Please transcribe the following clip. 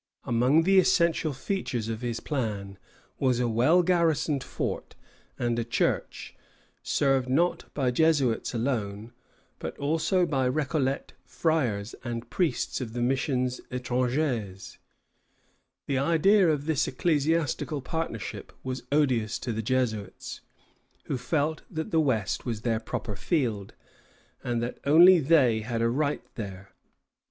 " Among the essential features of his plan was a well garrisoned fort, and a church, served not by Jesuits alone, but also by Récollet friars and priests of the Missions Étrangères. The idea of this ecclesiastical partnership was odious to the Jesuits, who felt that the west was their proper field, and that only they had a right there.